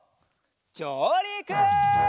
じょうりく！